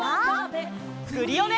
クリオネ！